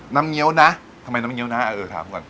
เงี้ยวนะทำไมน้ำเงี้ยนะเออถามก่อน